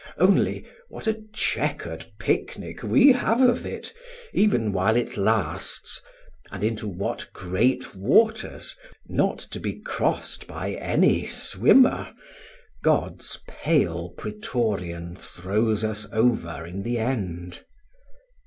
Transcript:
Only, what a chequered picnic we have of it, even while it lasts! and into what great waters, not to be crossed by any swimmer, God's pale Praetorian throws us over in the end!